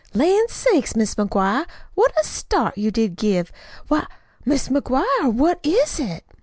"Lan' sakes, Mis' McGuire, what a start you did give why, Mis' McGuire, what is it?"